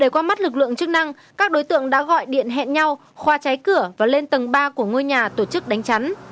qua mắt lực lượng chức năng các đối tượng đã gọi điện hẹn nhau khoa cháy cửa và lên tầng ba của ngôi nhà tổ chức đánh chắn